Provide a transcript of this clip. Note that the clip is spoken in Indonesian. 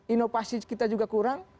inovasi kita juga kurang